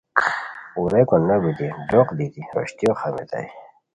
اوریکو نو بیتی ڈ وق دیتی روشتیو خامیتائے